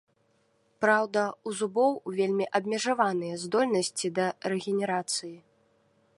Праўда, у зубоў вельмі абмежаваныя здольнасці да рэгенерацыі.